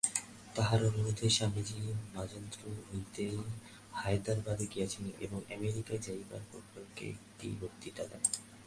তাঁহার অনুরোধে স্বামীজী মান্দ্রাজ হইতে হায়দরাবাদে গিয়াছিলেন এবং আমেরিকা যাইবার প্রাক্কালে একটি বক্তৃতাও দেন।